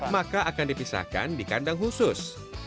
maka akan dipisahkan di kandang khusus